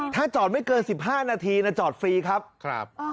ถ้าจอดไม่เกิน๑๕นาทีจอดฟรีครับ